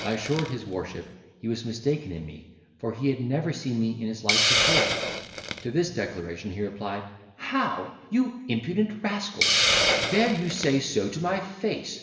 I assured his worship he was mistaken in me, for he had never seen me in his life before. To this declaration he replied, "How! you impudent rascal, dare you say so to my face?